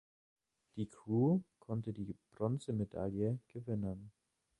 Die Crew konnte die Bronzemedaille gewinnen.